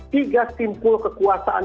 tiga simpul kekuasaan